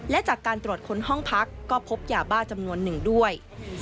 และจากการตรวจค้นห้องพักก็พบยาบ้าจำนวนหนึ่งด้วย